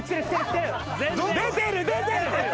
出てる出てる。